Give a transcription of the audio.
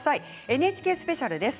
ＮＨＫスペシャルです。